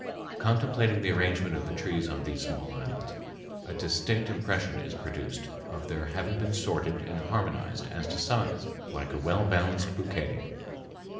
Contemplating the arrangement of the trees on these small islands, a distinct impression is produced of their having been sorted and harmonized as to size like a well balanced bouquet.